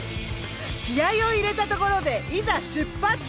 気合いを入れたところでいざ出発！